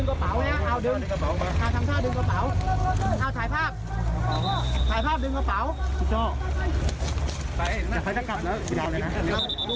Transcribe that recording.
เนี้ยพร้อมพร้อมตัวดิเอากระเป๋าพร้อมตัวเองเลยแล้วก็ชี้ว่าหนีไป